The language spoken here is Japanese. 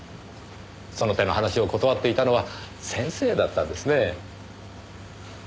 その手の話を断っていたのは先生だったんですね。